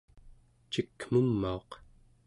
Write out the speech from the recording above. cikmumauq